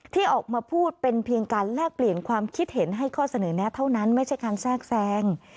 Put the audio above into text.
ที่ออกมาพูดเป็นเพียงการแลกเปลี่ยนความคิดเห็นให้ข้อเสนอแนะเท่านั้นไม่ใช่การแทรกแทรง